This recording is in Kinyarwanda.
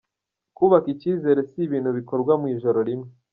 Kubaka icyizere si ibintu bikorwa mu ijoro rimwe .